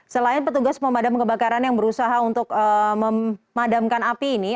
selain petugas pemadam kebakaran yang berusaha untuk memadamkan api ini